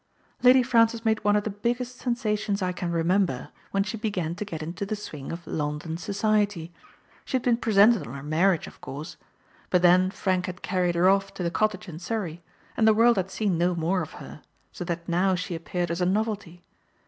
" Lady Francis made one of the biggest sensa tions I can remember, when she began to get into the swing of London society. She had been pre sented on her marriage, of course. But then Frank had carried her off to the cottage in Surrey, and the world had seen no more of her, so that now she appeared as a novelty.